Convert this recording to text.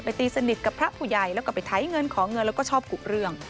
ตีสนิทกับพระผู้ใหญ่แล้วก็ไปไถเงินขอเงินแล้วก็ชอบกุเรื่อง